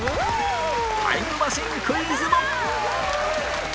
タイムマシンクイズも！